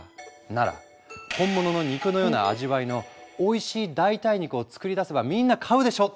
なら本物の肉のような味わいのおいしい代替肉を作り出せばみんな買うでしょ！